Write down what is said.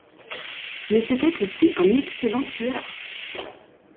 Mais c'était aussi un excellent tueur.